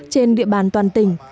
trên địa bàn toàn tỉnh